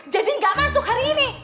jadi gak masuk hari ini